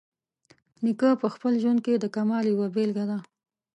نیکه په خپل ژوند کې د کمال یوه بیلګه ده.